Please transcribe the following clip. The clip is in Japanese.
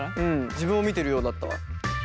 自分を見てるようだったわ。